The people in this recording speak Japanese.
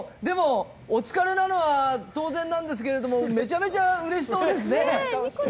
お疲れなのは当然なんですけれど、めちゃめちゃうれしそうですね。